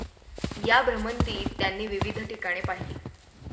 या भ्रमंतीत त्यांनी विविध ठिकाणे पाहिली.